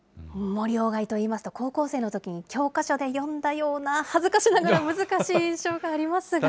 森鴎外といいますと、高校生のときに教科書で読んだような、恥ずかしながら難しい印象がありますが。